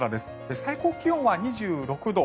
最高気温は２６度。